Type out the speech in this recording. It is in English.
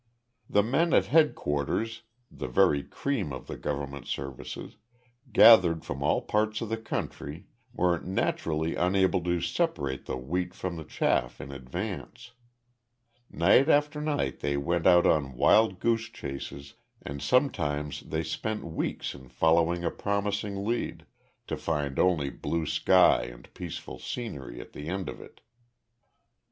The men at headquarters, the very cream of the government services, gathered from all parts of the country, were naturally unable to separate the wheat from the chaff in advance. Night after night they went out on wild goose chases and sometimes they spent weeks in following a promising lead to find only blue sky and peaceful scenery at the end of it.